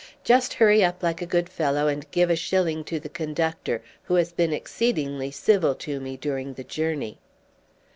"Just hurry up like a good fellow and give a shilling to the conductor, who has been exceedingly civil to me during the journey."